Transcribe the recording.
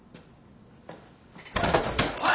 おい！